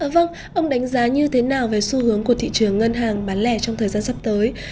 vâng ông đánh giá như thế nào về xu hướng của thị trường ngân hàng bán lẻ trong thời gian sắp tới